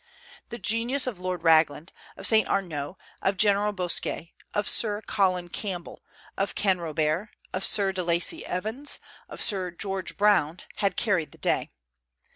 The genius of Lord Raglan, of Saint Arnaud, of General Bosquet, of Sir Colin Campbell, of Canrobert, of Sir de Lacy Evans, of Sir George Brown, had carried the day.